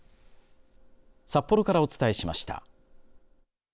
札幌からお伝えしました。